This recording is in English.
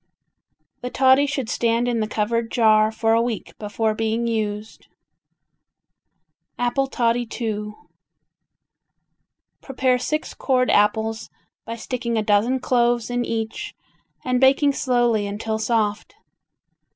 The toddy should stand in the covered jar for a week before being used. Apple Toddy II Prepare six cored apples by sticking a dozen cloves in each and baking slowly until soft.